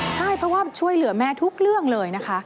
ใช่เพราะว่าช่วยเหลือแม่ทุกเรื่องเลยนะคะ